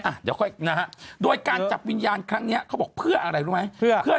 อ่ะเดี๋ยวค่อยนะฮะโดยการจับวิญญาณครั้งนี้เขาบอกเพื่ออะไรรู้ไหม